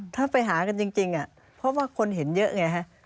ถ้าไปหากันจริงเพราะว่าคนเห็นเยอะไงฮะ